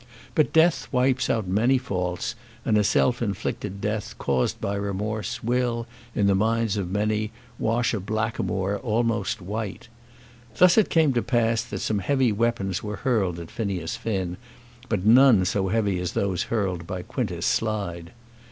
But death wipes out many faults, and a self inflicted death caused by remorse will, in the minds of many, wash a blackamoor almost white. Thus it came to pass that some heavy weapons were hurled at Phineas Finn, but none so heavy as those hurled by Quintus Slide.